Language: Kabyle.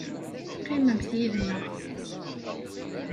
Qqimemt yid-nneɣ.